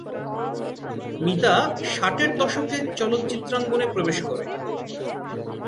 মিতা ষাটের দশকে চলচ্চিত্রাঙ্গনে প্রবেশ করে।